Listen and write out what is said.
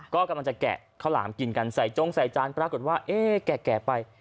ก็กำลังจะแกะข้าวหลามกินกันใส่จงใส่จานปรากฏว่าเอ๊ะแก่ไป